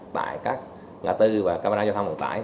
tại các ngã tư và camera do thông tin